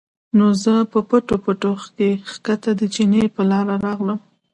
نو زۀ پۀ پټو پټو کښې ښکته د چینې پۀ لاره راغلم